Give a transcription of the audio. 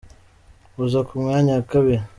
uza ku mwanya wa kabiri.